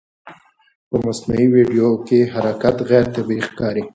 په مصنوعي ویډیو کې حرکت غیر طبیعي ښکاري.